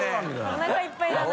おなかいっぱいだな。